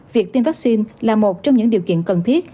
việc tiêm vaccine là một trong những điều kiện cần thiết